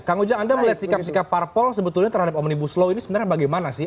kang ujang anda melihat sikap sikap parpol sebetulnya terhadap omnibus law ini sebenarnya bagaimana sih